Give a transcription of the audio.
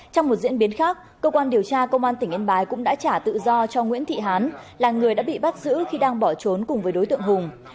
trong một diễn biến khác cơ quan điều tra công an tỉnh yên bái cũng đã trả tự do cho nguyễn thị hán là người đã bị bắt giữ khi đang bỏ trốn cùng với đối tượng hùng